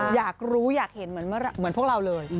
อยากรู้อยากเห็นเหมือนพวกเราเลย